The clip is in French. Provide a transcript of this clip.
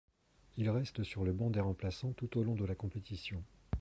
Il reste sur le banc des remplaçants tout au long de la compétition.